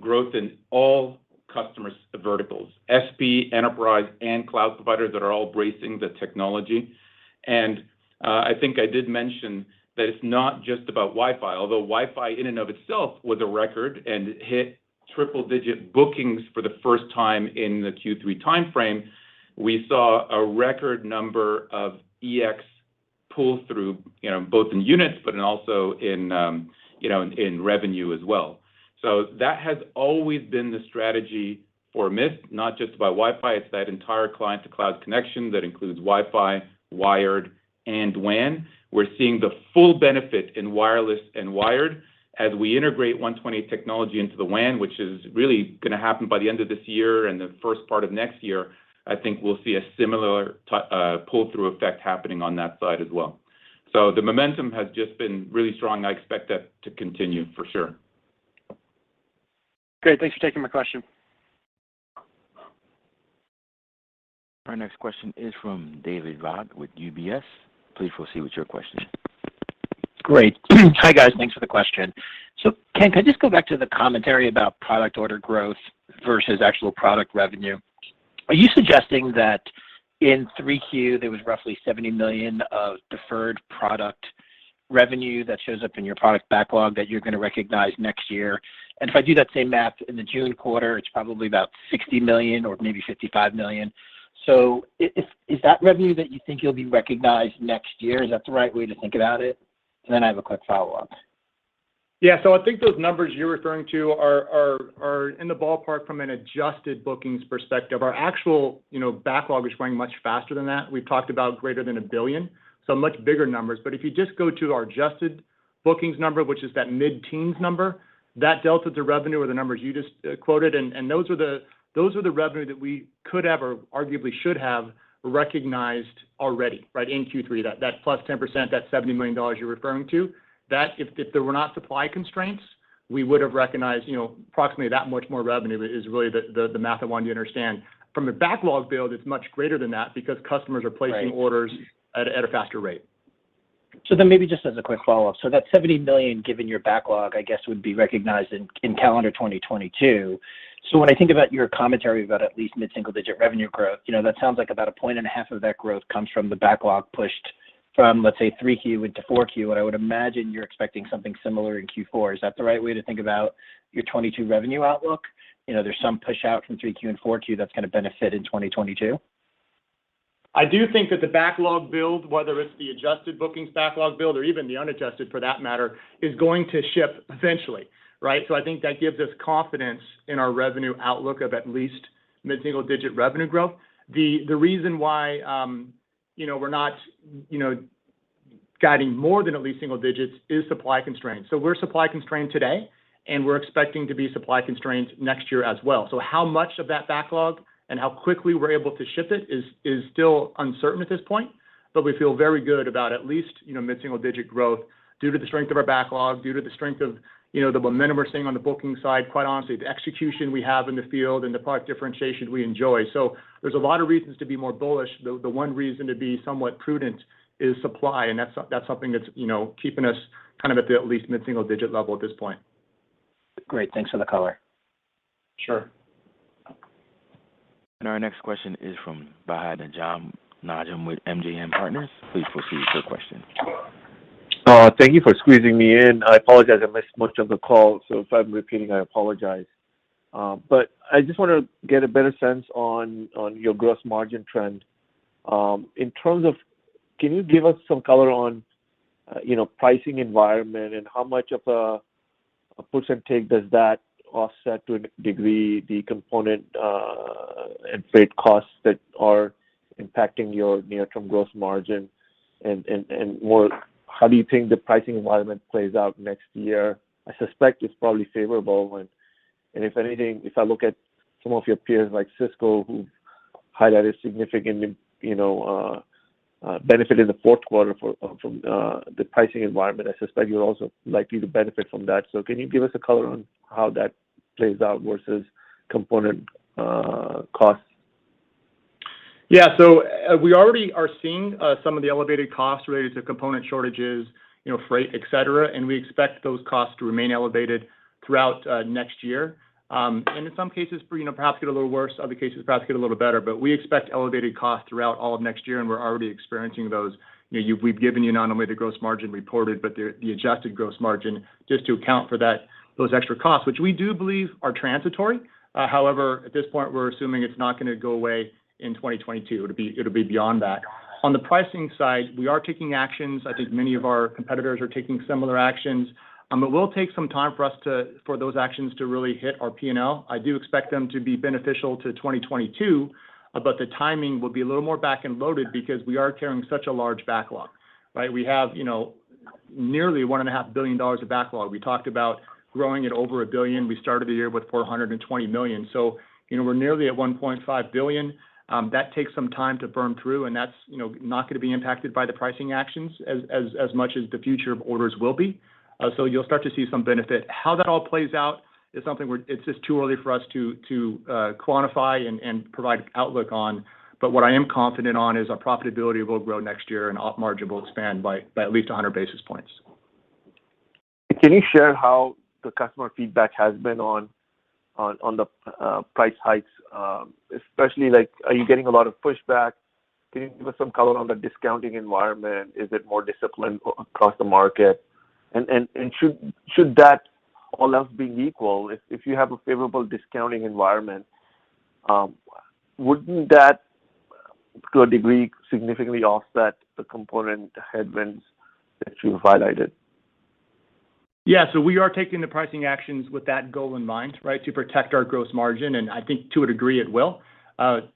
Growth in all customer verticals, SP, enterprise, and cloud providers that are all embracing the technology. I think I did mention that it's not just about WiFi, although WiFi in and of itself was a record, and it hit triple-digit bookings for the first time in the Q3 timeframe. We saw a record number of EX pull-through, you know, both in units, but also in revenue as well. That has always been the strategy for Mist, not just about WiFi. It's that entire client to cloud connection that includes WiFi, wired, and WAN. We're seeing the full benefit in wireless and wired. As we integrate 128 Technology into the WAN, which is really gonna happen by the end of this year and the first part of next year, I think we'll see a similar pull-through effect happening on that side as well. The momentum has just been really strong. I expect that to continue for sure. Great. Thanks for taking my question. Our next question is from David Vogt with UBS. Please proceed with your question. Great. Hi, guys. Thanks for the question. Ken, can I just go back to the commentary about product order growth versus actual product revenue? Are you suggesting that in 3Q there was roughly $70 million of deferred product revenue that shows up in your product backlog that you're gonna recognize next year? If I do that same math in the June quarter, it's probably about $60 million or maybe $55 million. Is that revenue that you think you'll recognize next year? Is that the right way to think about it? Then I have a quick follow-up. Yeah. I think those numbers you're referring to are in the ballpark from an adjusted bookings perspective. Our actual, you know, backlog is growing much faster than that. We've talked about greater than $1 billion, so much bigger numbers. But if you just go to our adjusted bookings number, which is that mid-teens number, that delta to revenue are the numbers you just quoted, and those are the revenue that we could have or arguably should have recognized already, right? In Q3. That +10%, that $70 million you're referring to. That if there were not supply constraints, we would have recognized, you know, approximately that much more revenue is really the math I want you to understand. From a backlog build, it's much greater than that because customers are placing- Right orders at a faster rate. Maybe just as a quick follow-up. That $70 million, given your backlog, I guess, would be recognized in calendar 2022. When I think about your commentary about at least mid-single digit revenue growth, you know, that sounds like about 1.5 of that growth comes from the backlog pushed from, let's say, 3Q into 4Q. I would imagine you're expecting something similar in Q4. Is that the right way to think about your 2022 revenue outlook? You know, there's some pushout from 3Q and 4Q that's gonna benefit in 2022. I do think that the backlog build, whether it's the adjusted bookings backlog build or even the unadjusted for that matter, is going to ship eventually, right? I think that gives us confidence in our revenue outlook of at least mid-single digit revenue growth. The reason why, you know, we're not, you know, guiding more than at least single digits is supply constraints. We're supply constrained today, and we're expecting to be supply constrained next year as well. How much of that backlog and how quickly we're able to ship it is still uncertain at this point. We feel very good about at least, you know, mid-single-digit growth due to the strength of our backlog, due to the strength of, you know, the momentum we're seeing on the booking side, quite honestly, the execution we have in the field and the product differentiation we enjoy. There's a lot of reasons to be more bullish. The one reason to be somewhat prudent is supply, and that's something that's, you know, keeping us kind of at least mid-single-digit level at this point. Great. Thanks for the color. Sure. Our next question is from Fahad Najam with MKM Partners. Please proceed with your question. Thank you for squeezing me in. I apologize, I missed most of the call, so if I'm repeating, I apologize. But I just wanna get a better sense on your gross margin trend. In terms of, can you give us some color on, you know, pricing environment and how much of a push and take does that offset to a degree the component and freight costs that are impacting your near term gross margin? And more, how do you think the pricing environment plays out next year? I suspect it's probably favorable and if anything, if I look at some of your peers like Cisco, who highlighted significantly, you know, benefit in the fourth quarter from the pricing environment, I suspect you're also likely to benefit from that. Can you give us a color on how that plays out versus component costs? Yeah. We already are seeing some of the elevated costs related to component shortages, you know, freight, etc., and we expect those costs to remain elevated throughout next year. In some cases, you know, perhaps get a little worse, other cases perhaps get a little better. We expect elevated costs throughout all of next year, and we're already experiencing those. You know, we've given you not only the gross margin reported, but the adjusted gross margin just to account for that, those extra costs, which we do believe are transitory. However, at this point, we're assuming it's not gonna go away in 2022. It'll be beyond that. On the pricing side, we are taking actions. I think many of our competitors are taking similar actions. It will take some time for those actions to really hit our P&L. I do expect them to be beneficial to 2022, but the timing will be a little more back-end loaded because we are carrying such a large backlog, right? We have, you know, nearly $1.5 billion of backlog. We talked about growing at over $1 billion. We started the year with $420 million. So, you know, we're nearly at $1.5 billion. That takes some time to burn through, and that's, you know, not gonna be impacted by the pricing actions as much as the future orders will be. So you'll start to see some benefit. How that all plays out is something it's just too early for us to quantify and provide outlook on. What I am confident on is our profitability will grow next year and op margin will expand by at least 100 basis points. Can you share how the customer feedback has been on the price hikes? Especially like, are you getting a lot of pushback? Can you give us some color on the discounting environment? Is it more disciplined across the market? Should that all else being equal, if you have a favorable discounting environment, wouldn't that to a degree significantly offset the component headwinds that you've highlighted? Yeah. We are taking the pricing actions with that goal in mind, right? To protect our gross margin, and I think to a degree it will.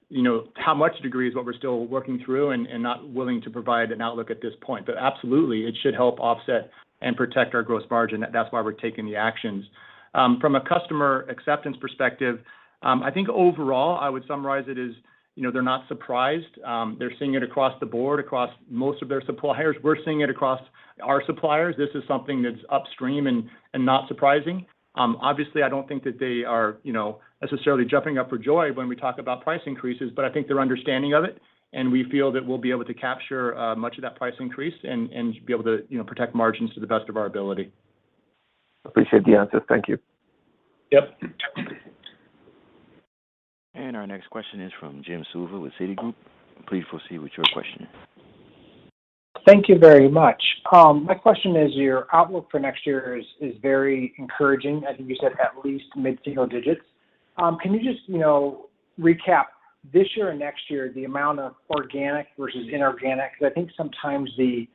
You know, how much degree is what we're still working through and not willing to provide an outlook at this point. Absolutely, it should help offset and protect our gross margin. That's why we're taking the actions. From a customer acceptance perspective, I think overall I would summarize it as, you know, they're not surprised. They're seeing it across the board, across most of their suppliers. We're seeing it across our suppliers. This is something that's upstream and not surprising. Obviously, I don't think that they are, you know, necessarily jumping up for joy when we talk about price increases, but I think their understanding of it, and we feel that we'll be able to capture much of that price increase and be able to, you know, protect margins to the best of our ability. Appreciate the answers. Thank you. Yep. Our next question is from Jim Suva with Citigroup. Please proceed with your question. Thank you very much. My question is, your outlook for next year is very encouraging. I think you said at least mid-single digits. Can you just, you know, recap this year and next year the amount of organic versus inorganic? Because I think sometimes the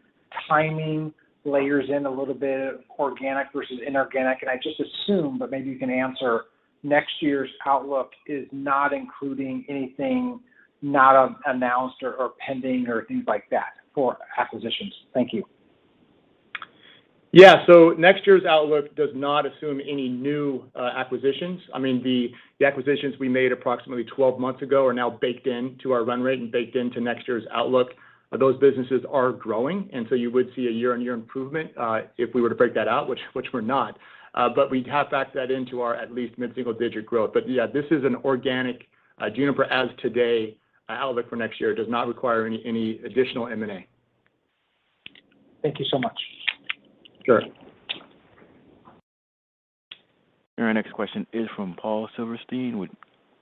timing lags in a little bit organic versus inorganic, and I just assume that maybe you can answer next year's outlook is not including anything not announced or pending or things like that for acquisitions. Thank you. Yeah. Next year's outlook does not assume any new acquisitions. I mean, the acquisitions we made approximately 12 months ago are now baked into our run rate and baked into next year's outlook. Those businesses are growing, and you would see a year-on-year improvement if we were to break that out, which we're not. We have backed that into our at least mid-single digit growth. Yeah, this is an organic Juniper as today outlook for next year. It does not require any additional M&A. Thank you so much. Sure. Our next question is from Paul Silverstein with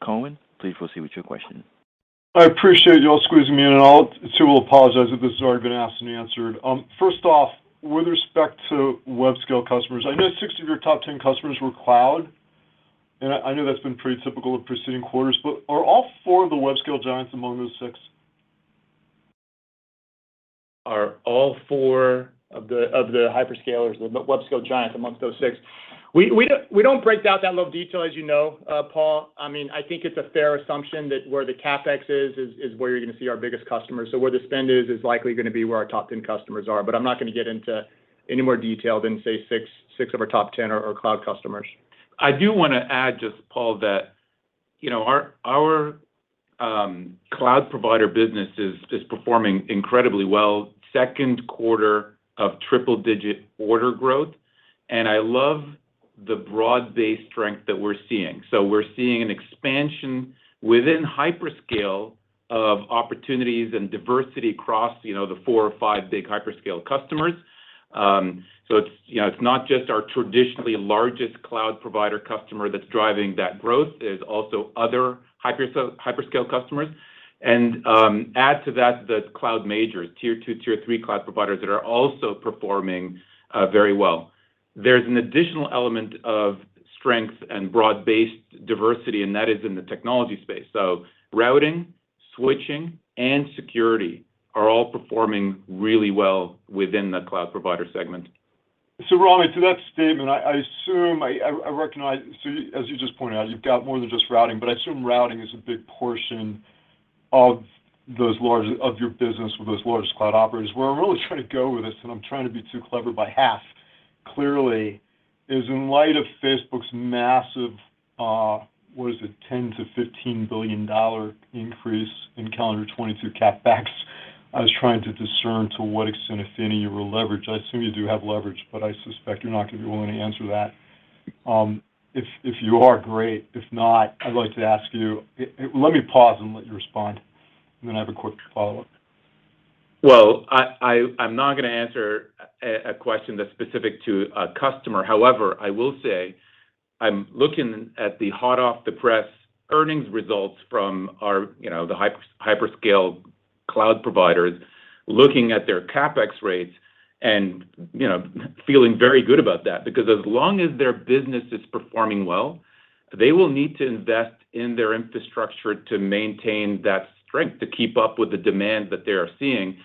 Cowen. Please proceed with your question. I appreciate y'all squeezing me in, and I'll, too, will apologize if this has already been asked and answered. First off, with respect to web scale customers, I know six of your top 10 customers were cloud, and I know that's been pretty typical of preceding quarters, but are all four of the web scale giants among those six? Are all four of the hyperscalers, the web scale giants among those six? We don't break out that level of detail, as you know, Paul. I mean, I think it's a fair assumption that where the CapEx is where you're going to see our biggest customers. Where the spend is likely gonna be where our top 10 customers are. I'm not gonna get into any more detail than say six of our top 10 are cloud customers. I do wanna add just, Paul, that you know, our cloud provider business is performing incredibly well, second quarter of triple-digit order growth. I love the broad-based strength that we're seeing. We're seeing an expansion within hyperscale of opportunities and diversity across, you know, the four or five big hyperscale customers. You know, it's not just our traditionally largest cloud provider customer that's driving that growth. There's also other hyperscale customers. Add to that the cloud majors, tier two, tier three cloud providers that are also performing very well. There's an additional element of strength and broad-based diversity, and that is in the technology space. Routing, switching, and security are all performing really well within the cloud provider segment. Rami, to that statement, I assume, I recognize as you just pointed out, you've got more than just routing, but I assume routing is a big portion of your business with those largest cloud operators. Where I'm really trying to go with this, and I'm trying to be too clever by half, clearly, is in light of Facebook's massive, what is it, $10 billion-$15 billion increase in calendar 2022 CapEx, I was trying to discern to what extent, if any, you will leverage. I assume you do have leverage, but I suspect you're not gonna be willing to answer that. If you are, great. If not, I'd like to ask you. Let me pause and let you respond, and then I have a quick follow-up. Well, I'm not gonna answer a question that's specific to a customer. However, I will say I'm looking at the hot-off-the-press earnings results from our, you know, the hyperscale cloud providers, looking at their CapEx rates and, you know, feeling very good about that because as long as their business is performing well, they will need to invest in their infrastructure to maintain that strength, to keep up with the demand that they are seeing,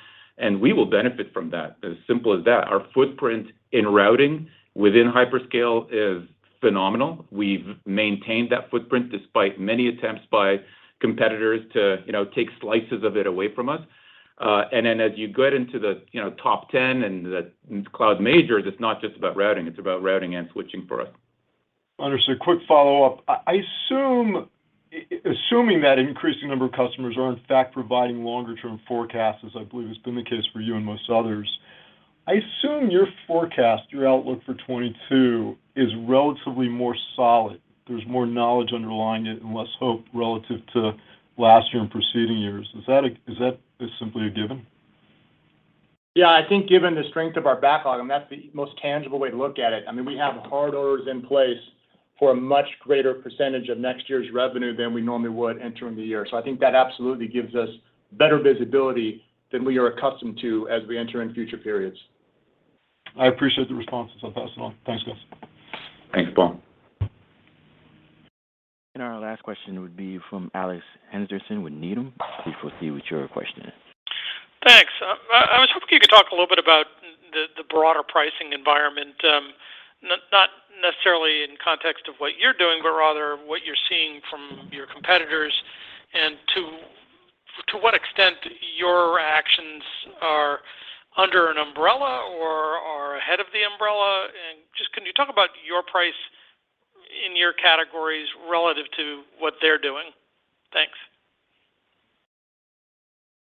and we will benefit from that. As simple as that. Our footprint in routing within hyperscale is phenomenal. We've maintained that footprint despite many attempts by competitors to, you know, take slices of it away from us. As you get into the, you know, top 10 and the cloud majors, it's not just about routing, it's about routing and switching for us. Understood. Quick follow-up. Assuming that increasing number of customers are in fact providing longer term forecasts, as I believe has been the case for you and most others, I assume your forecast, your outlook for 2022 is relatively more solid. There's more knowledge underlying it and less hope relative to last year and preceding years. Is that just simply a given? Yeah. I think given the strength of our backlog, and that's the most tangible way to look at it. I mean, we have hard orders in place for a much greater percentage of next year's revenue than we normally would entering the year. I think that absolutely gives us better visibility than we are accustomed to as we enter in future periods. I appreciate the response. It's outstanding. Thanks, guys. Thanks, Paul. Our last question would be from Alex Henderson with Needham. Please proceed with your question. Thanks. I was hoping you could talk a little bit about the broader pricing environment, not necessarily in context of what you're doing, but rather what you're seeing from your competitors and to what extent your actions are under an umbrella or are ahead of the umbrella. Just can you talk about your pricing in your categories relative to what they're doing? Thanks.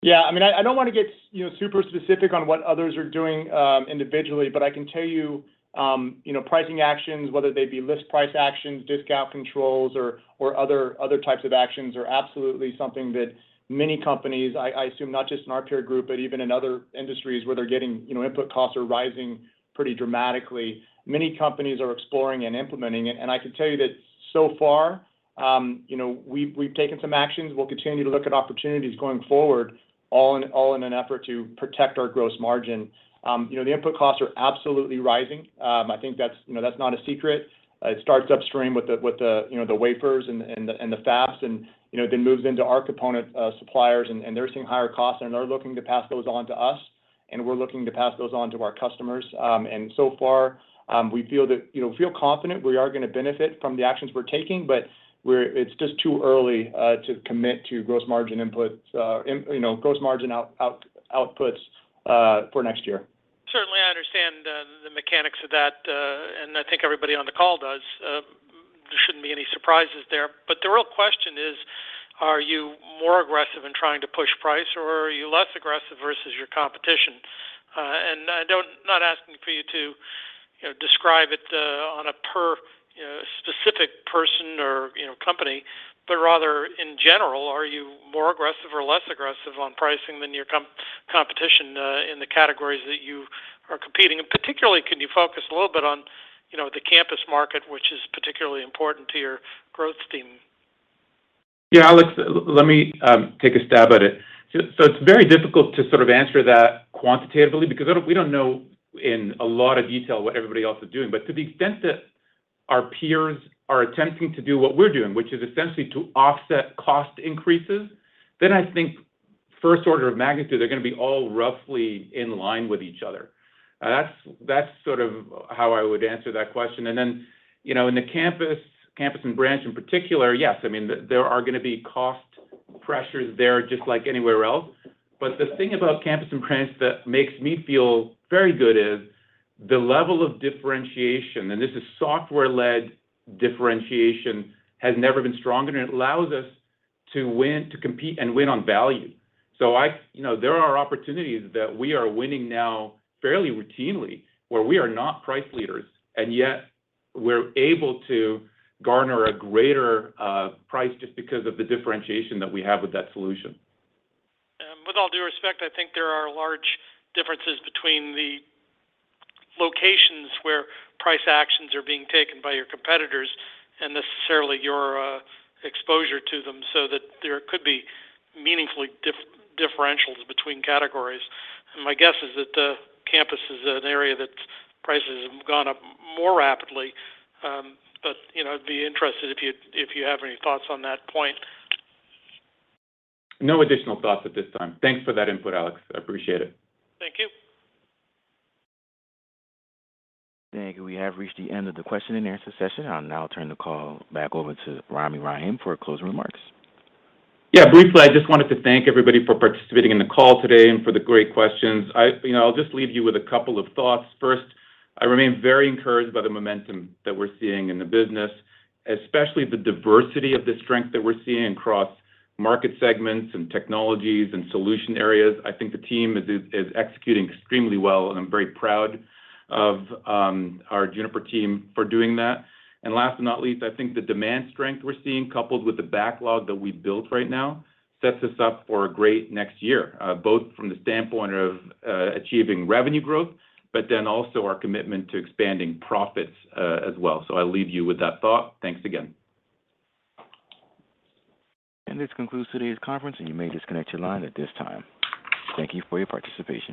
Yeah. I mean, I don't want to get, you know, super specific on what others are doing, individually, but I can tell you know, pricing actions, whether they be list price actions, discount controls, or other types of actions are absolutely something that many companies, I assume not just in our peer group, but even in other industries where they're getting, you know, input costs are rising pretty dramatically. Many companies are exploring and implementing it. I can tell you that so far. You know, we've taken some actions. We'll continue to look at opportunities going forward, all in an effort to protect our gross margin. You know, the input costs are absolutely rising. I think that's, you know, that's not a secret. It starts upstream with the you know, the wafers and the fabs and, you know, then moves into our component suppliers, and they're seeing higher costs, and they're looking to pass those on to us, and we're looking to pass those on to our customers. So far, we feel confident we are gonna benefit from the actions we're taking, but it's just too early to commit to gross margin inputs in you know, gross margin outputs for next year. Certainly, I understand the mechanics of that, and I think everybody on the call does. There shouldn't be any surprises there. The real question is, are you more aggressive in trying to push price, or are you less aggressive versus your competition? I'm not asking for you to, you know, describe it on a specific person or, you know, company, but rather in general, are you more aggressive or less aggressive on pricing than your competition in the categories that you are competing? Particularly, can you focus a little bit on, you know, the campus market, which is particularly important to your growth theme? Yeah, Alex, let me take a stab at it. It's very difficult to sort of answer that quantitatively because we don't know in a lot of detail what everybody else is doing. To the extent that our peers are attempting to do what we're doing, which is essentially to offset cost increases, then I think first order of magnitude, they're gonna be all roughly in line with each other. That's sort of how I would answer that question. You know, in the campus and branch in particular, yes, I mean, there are gonna be cost pressures there just like anywhere else. The thing about campus and branch that makes me feel very good is the level of differentiation, and this is software-led differentiation, has never been stronger, and it allows us to compete and win on value. You know, there are opportunities that we are winning now fairly routinely where we are not price leaders, and yet we're able to garner a greater price just because of the differentiation that we have with that solution. With all due respect, I think there are large differences between the locations where price actions are being taken by your competitors and necessarily your exposure to them so that there could be meaningfully differentials between categories. My guess is that campus is an area that prices have gone up more rapidly. You know, I'd be interested if you have any thoughts on that point. No additional thoughts at this time. Thanks for that input, Alex. I appreciate it. Thank you. Thank you. We have reached the end of the question and answer session. I'll now turn the call back over to Rami Rahim for closing remarks. Yeah. Briefly, I just wanted to thank everybody for participating in the call today and for the great questions. You know, I'll just leave you with a couple of thoughts. First, I remain very encouraged by the momentum that we're seeing in the business, especially the diversity of the strength that we're seeing across market segments and technologies and solution areas. I think the team is executing extremely well, and I'm very proud of our Juniper team for doing that. Last but not least, I think the demand strength we're seeing coupled with the backlog that we've built right now sets us up for a great next year, both from the standpoint of achieving revenue growth but then also our commitment to expanding profits, as well. I'll leave you with that thought. Thanks again. This concludes today's conference, and you may disconnect your line at this time. Thank you for your participation.